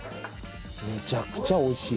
めちゃくちゃおいしい。